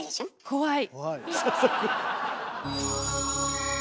怖い。